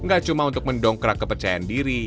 gak cuma untuk mendongkrak kepercayaan diri